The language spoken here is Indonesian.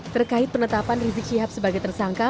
terkait penetapan rizik syihab sebagai tersangka